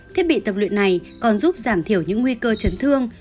thiết bị tập luyện này còn giúp giảm thiểu những nguy cơ chấn thương